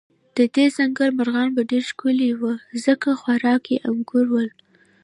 د دې ځنګل مرغان به ډېر ښکلي و، ځکه خوراکه یې انګور ول.